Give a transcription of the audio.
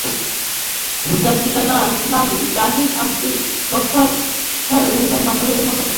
তার পিতার নাম হাজী আব্দুল গাফফার শাহ এবং মাতা রহিমা খাতুন।